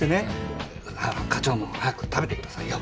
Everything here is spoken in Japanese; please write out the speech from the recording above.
課長も早く食べてくださいよ。